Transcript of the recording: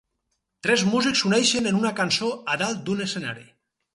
Tres músics s'uneixen en una cançó a dalt d'un escenari.